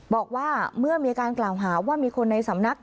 บอกว่าเมื่อมีการกล่าวหาว่ามีคนในสำนัก